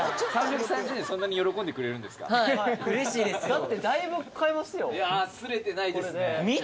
だってだいぶ買えますよ。